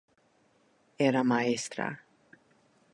Era maestra.